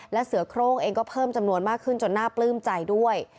และเสือโครงเองก็เพิ่มจำนวนมากขึ้นจนน่าปลื้มใจด้วย